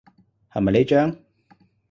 係咪呢張？